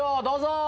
どうぞ。